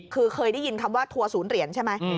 คือเคยได้ยินคำว่าทัวร์ศูนย์เหรียญใช่ไหม